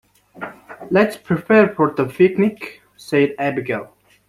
"Let's prepare for the picnic!", said Abigail.